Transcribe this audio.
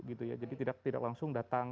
gitu ya jadi tidak langsung datang